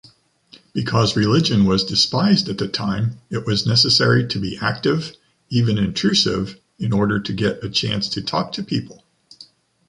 Because religion was despised at the time, it was necessary to be active, even intrusive, in order to get a chance to talk to people.